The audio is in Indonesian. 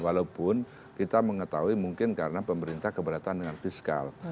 walaupun kita mengetahui mungkin karena pemerintah keberatan dengan fiskal